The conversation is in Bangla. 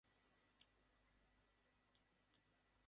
আমি খেতে চাই না।